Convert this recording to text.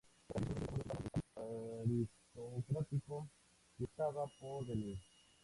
La plaza inició posteriores desarrollos urbanos del París aristocrático que estaba por venir.